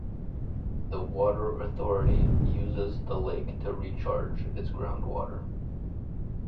The water authority uses the lake to recharge its groundwater.